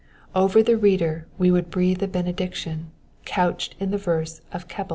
Over the reader we would breathe a benediction, couched in the verse of Eeble.